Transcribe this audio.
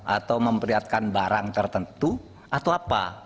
atau memperlihatkan barang tertentu atau apa